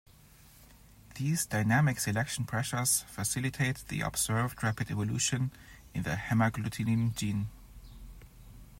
These dynamic selection pressures facilitate the observed rapid evolution in the hemagglutinin gene.